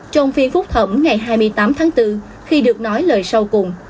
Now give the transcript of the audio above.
trong phiên phúc thẩm ngày hai mươi tám tháng bốn khi được nói lời sau cùng